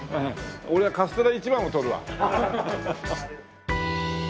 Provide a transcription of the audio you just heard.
俺はカステラ１番を取るわ。